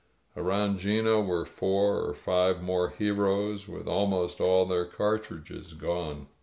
Around 'Gino were four or five more heroes, with almost all their cartridges gone.